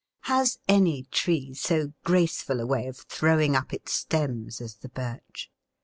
Has any tree so graceful a way of throwing up its stems as the birch?